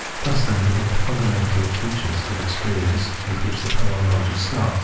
* Thus, then, we get the fundamental features of experi ence with which the Phenomenology starts.